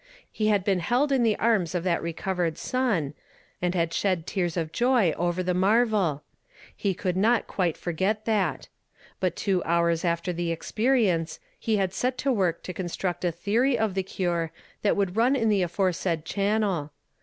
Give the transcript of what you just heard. He had been held in the arms of that recovered son, and had slied tears of joy over the marvel. He could not quite foj '^et that ; but two houi s after the expe rience, he had set to work to construct a theory of the cure that would run in the aforesaid chan nel.